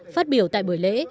phát biểu tại buổi lễ